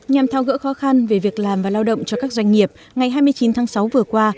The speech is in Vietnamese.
nhằm thao gỡ khó khăn về việc làm và lao động cho các doanh nghiệp ngày hai mươi chín tháng sáu vừa qua